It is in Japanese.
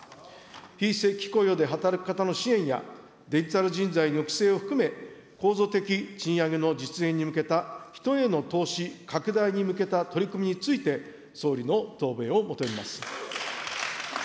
非正規雇用で働く方の支援や、デジタル人材の育成を含め、構造的賃上げの実現に向けた人への投資拡大に向けた取り組みについて、総理の答弁を求めます。